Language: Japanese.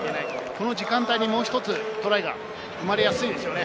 この時間帯にもう１つトライが生まれやすいですよね。